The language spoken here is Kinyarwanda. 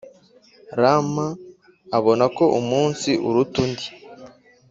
Rm abona ko umunsi uruta undi